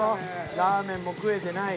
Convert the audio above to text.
ラーメンも食えてない。